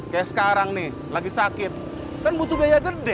kayak sekarang nih lagi sakit kan butuh biaya gede